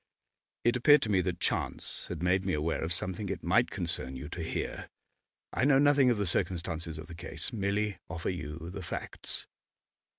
It appeared to me that chance had made me aware of something it might concern you to hear. I know nothing of the circumstances of the case, merely offer you the facts.